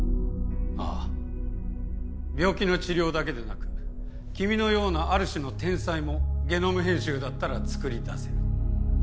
ああ病気の治療だけでなく君のようなある種の天才もゲノム編集だったらつくり出せる。